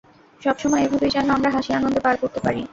সবসময় এভাবেই যেন আমরা হাসি আনন্দে পার করতে পারি!